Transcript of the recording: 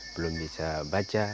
belum bisa baca